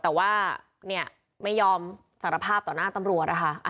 แต่ว่าเนี่ยไม่ยอมสารภาพต่อหน้าตำรวจนะคะ